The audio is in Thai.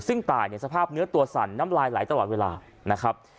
ซึ่งตายเนี่ยสภาพเนื้อตัวสั่นน้ำลายไหลตลอดเวลานะครับ